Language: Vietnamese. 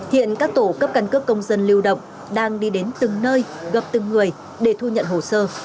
hiện các tổ cấp căn cước công dân lưu động đang đi đến từng nơi gặp từng người để thu nhận hồ sơ